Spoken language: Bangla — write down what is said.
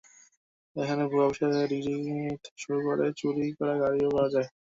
এখানে ভুয়া বিশ্ববিদ্যালয়ের ডিগ্রি থেকে শুরু করে চুরি করা গাড়িও পাওয়া যায়।